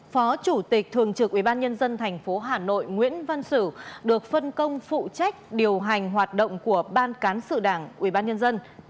phó chủ tịch thường trực ubnd tp hà nội nguyễn văn sử được phân công phụ trách điều hành hoạt động của ban cán sự đảng ubnd